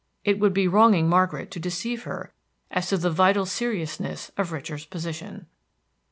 It would be wronging Margaret to deceive her as to the vital seriousness of Richard's position.